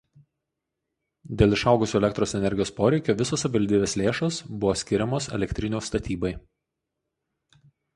Dėl išaugusio elektros energijos poreikio visos savivaldybės lėšos buvo skiriamos elektrinių statybai.